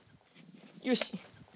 よし。